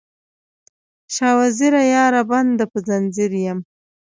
شاه وزیره یاره، بنده په ځنځیر یم